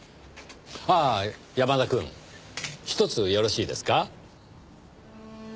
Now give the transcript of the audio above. ああ山田くんひとつよろしいですか？